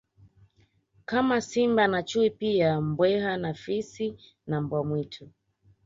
Kama simba na chui pia mbweha na fisi na mbwa mwitu